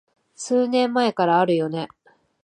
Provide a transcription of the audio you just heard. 数年前からあるよね